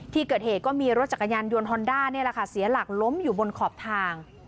ที่เกิดเหตุก็มีรถจักรยานยนต์ฮอนด้านี่แหละค่ะเสียหลักล้มอยู่บนขอบทาง